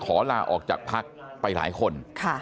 ขอลาออกจากพักไปหลายคน